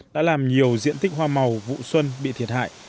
đã làm nhiều diện tích hoa màu vụ xuân bị thiệt hại